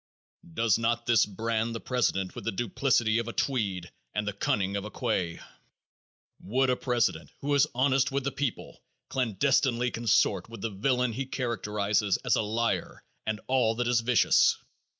Does not this brand the president with the duplicity of a Tweed and the cunning of a Quay? Would a president who is honest with the people clandestinely consort with the villain he characterizes as a liar and all that is vicious?